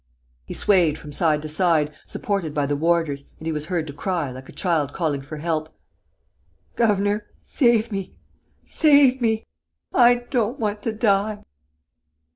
He swayed from side to side, supported by the warders, and he was heard to cry, like a child calling for help: "Governor.... save me!... Save me!... I don't want to die!"